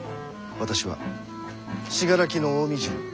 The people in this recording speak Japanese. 私は信楽の近江路を。